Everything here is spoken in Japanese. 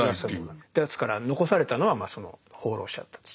ですから残されたのはその放浪者たち。